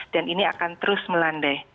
dan ini akan terus melandai